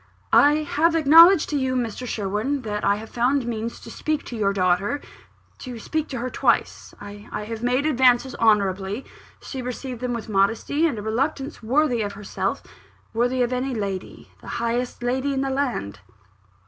"I have acknowledged to you, Mr. Sherwin, that I have found means to speak to your daughter to speak to her twice. I made my advances honourably. She received them with a modesty and a reluctance worthy of herself, worthy of any lady, the highest lady in the land."